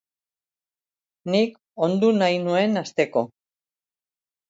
Nik ondu nahi nuen, hasteko!